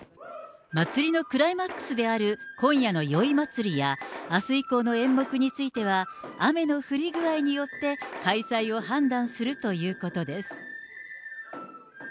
祭りのクライマックスである今夜の宵祭や、あす以降の演目については、雨の降り具合によって開催を判断するということです。